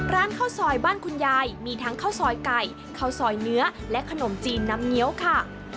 ร้านข้าวซอยบ้านคุณยายมีทั้งข้าวซอยไก่ข้าวซอยเนื้อและขนมจีนน้ำเงี้ยวค่ะ